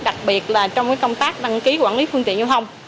đặc biệt là trong công tác đăng ký quản lý phương tiện giao thông